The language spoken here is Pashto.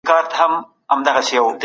د سرطان سکرینینګ پروګرامونه کالني دي.